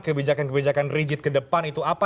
kebijakan kebijakan rigid ke depan itu apa